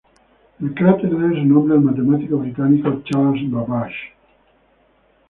El cráter debe su nombre al matemático británico Charles Babbage.